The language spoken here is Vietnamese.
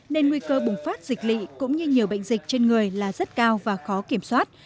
nên nguy cơ bùng phát dịch lị cũng như nhiều bệnh dịch trên người là rất cao và khó kiểm soát